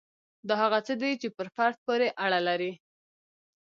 دا هغه څه دي چې پر فرد پورې اړه لري.